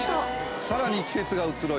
さらに季節が移ろいます。